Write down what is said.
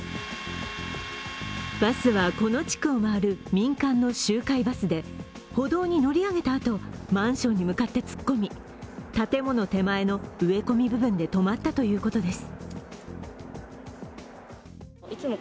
バスはこの地区を回る民間の周回バスで歩道に乗り上げたあと、マンションに向かって突っ込み、建物手前の植え込み部分で止まったということです。